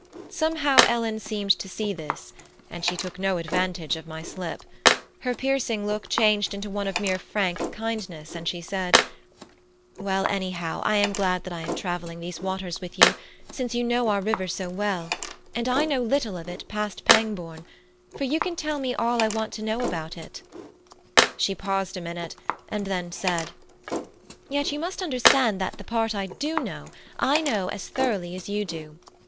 Somehow, Ellen seemed to see this, and she took no advantage of my slip; her piercing look changed into one of mere frank kindness, and she said: "Well, anyhow I am glad that I am travelling these waters with you, since you know our river so well, and I know little of it past Pangbourne, for you can tell me all I want to know about it." She paused a minute, and then said: "Yet you must understand that the part I do know, I know as thoroughly as you do.